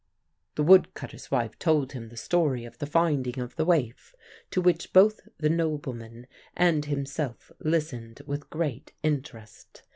"The woodcutter's wife told him the story of the finding of the waif, to which both the nobleman and himself listened with great interest.